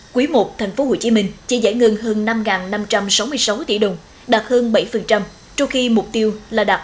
quý i tp hcm chỉ giải ngân hơn năm năm trăm sáu mươi sáu tỷ đồng đạt hơn bảy trôi khi mục tiêu là đạt